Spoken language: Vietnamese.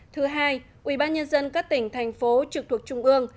thứ hai ủy ban nhân dân các tỉnh thành phố trực thuộc trung ương